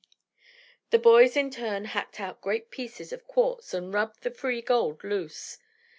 The boys in turn hacked out great pieces of quartz and rubbed the free gold loose.